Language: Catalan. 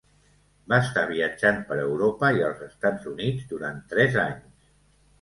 Va estar viatjant per Europa i els Estats Units durant tres anys.